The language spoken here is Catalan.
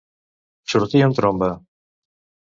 Sortir en tromba.